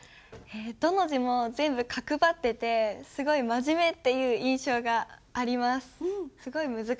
どの字も全部角張っててすごい真面目っていう印象があります。